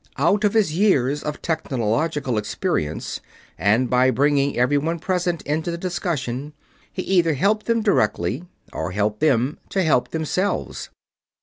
Out of his years of technological experience, and by bringing everyone present into the discussion, he either helped them directly or helped them to help themselves.